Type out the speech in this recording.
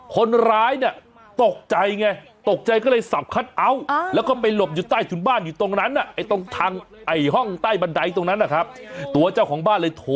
คนร้ายนะตกใจไงตกใจก็เลยสับคัทเอาท์